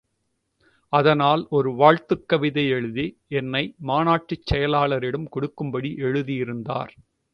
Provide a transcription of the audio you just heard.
அதனால் ஒரு வாழ்த்துக் கவிதை எழுதி, என்னை மாநாட்டுச் செயலாளரிடம் கொடுக்கும்படி எழுதியிருந்தார்.